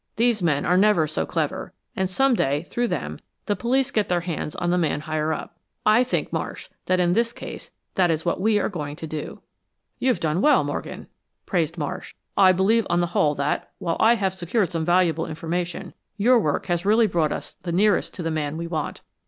These men are never so clever, and some day, through them, the police get their hands on the man higher up. I think, Marsh, that in this case that is what we are going to do." "You have done well, Morgan," praised Marsh. "I believe on the whole that, while I have secured some valuable information, your work has really brought us the nearest to the man we want."